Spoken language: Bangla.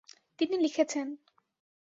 তিনি লিখেছেন।